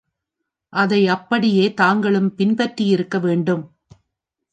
அதை அப்படியே தாங்களும் பின் பற்றியிருக்க வேண்டும்.